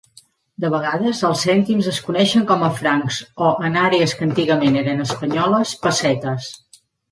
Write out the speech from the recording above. De vegades, els "cèntims" es coneixen com a francs o, en àrees que antigament eren espanyoles, "pessetes".